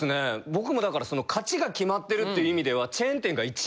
僕もだからその勝ちが決まってるという意味では。